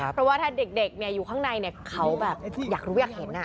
เพราะว่าถ้าเด็กอยู่ข้างในเขาแบบอยากรู้อยากเห็น